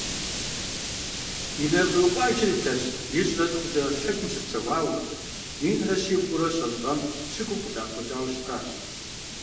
Инарыкъуей къуажэр илъэс ищӏрэ тхукӏэ лъэгум щыпсэуауэ, минрэ щибгъурэ щэщӏ гъэм щыгум къыдэӏэпхъукӏауэ щытащ.